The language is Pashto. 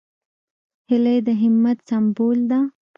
هیلۍ د همت سمبول ده